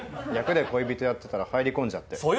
役で恋人やってたら入り込んじゃって。